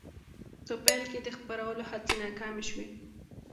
په پیل کې د خپرولو هڅې ناکامې شوې.